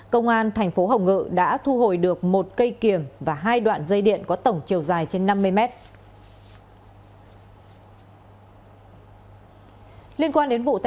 công an thành phố hồng ngự đã thu hồi được một cây kiềm và hai đoạn dây điện có tổng chiều dài trên năm mươi mét